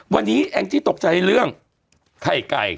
วันนี้แองจี้ตกใจเรื่องไข่ไก่